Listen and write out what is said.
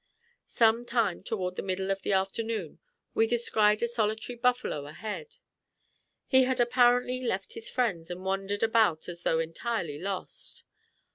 Some time toward the middle of the afternoon we descried a solitary buffalo ahead. He had apparently left his friends and wandered about as though entirely lost.